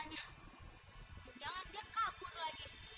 jangan dia kabur lagi